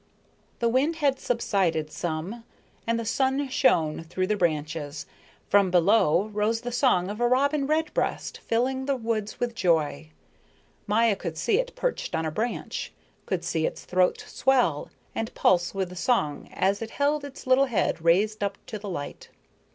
The wind had subsided some, and the sun shone through the branches. From below rose the song of a robin redbreast, filling the woods with joy. Maya could see it perched on a branch, could see its throat swell and pulse with the song as it held its little head raised up to the light.